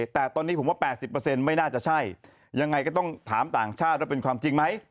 แต่ตอนนี้ผมว่า๘๐ไม่น่าจะใช่ยังไงก็ต้องถามต่างชาติว่าเป็นความจริงไหม